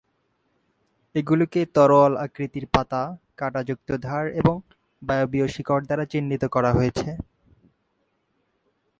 এগুলিকে তরোয়াল আকৃতির পাতা, কাঁটাযুক্ত ধার এবং বায়বীয় শিকড় দ্বারা চিহ্নিত করা হয়েছে।